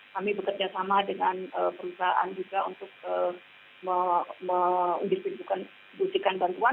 kami bekerjasama dengan perusahaan juga untuk membutuhkan bantuan